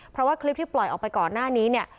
เพราะว่าคลิปที่ปล่อยออกไปก่อนหน้านี้เนี่ย